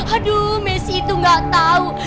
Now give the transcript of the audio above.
aduh mes itu nggak tahu